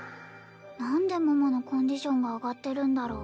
何で桃のコンディションが上がってるんだろう